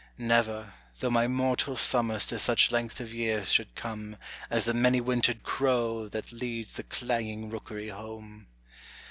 Never! though my mortal summers to such length of years should come As the many wintered crow that leads the clanging rookery home.